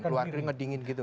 keluar keringat dingin gitu